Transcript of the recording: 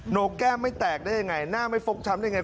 นกแก้มไม่แตกได้ยังไงหน้าไม่ฟกช้ำได้ไง